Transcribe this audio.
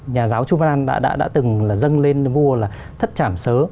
nhà giáo chu van an đã từng là dâng lên vua là thất chảm sớ